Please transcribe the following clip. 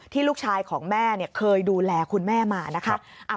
ลูกชายของแม่เคยดูแลคุณแม่มานะคะ